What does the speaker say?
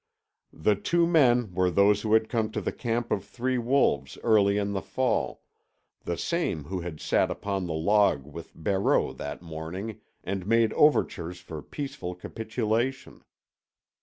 The two men were those who had come to the camp of Three Wolves early in the fall, the same who had sat upon the log with Barreau that morning and made overtures for peaceful capitulation.